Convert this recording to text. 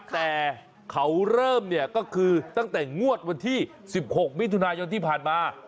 แต่เขาเริ่มคือตั้งแต่งวัดวันที่๑๖มทุนายนที่ผ่านมา